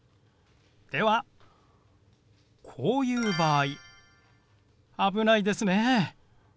ではこういう場合危ないですね。